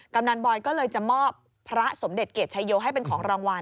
กำนันบอยก็เลยจะมอบพระสมเด็จเกรดชายโยให้เป็นของรางวัล